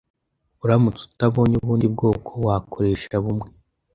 uramutse utabonye ubundi bwoko wakoresha bumwe